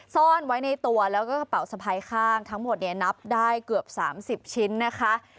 ซ่อนไว้ในตัวแล้วก็กระเป๋าสะพายข้างทั้งหมดเนี่ยนับได้เกือบ๓๐ชิ้นนะคะ